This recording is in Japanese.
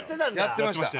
やってました。